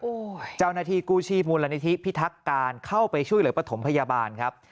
โอ้โหเจ้าหน้าที่กู้ชีพมูลนิธิพิทักการเข้าไปช่วยเหลือปฐมพยาบาลครับ